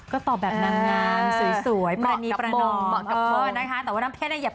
ก็ตอบแบบนางงามสวย